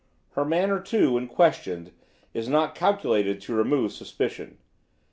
Her manner, too, when questioned, is not calculated to remove suspicion.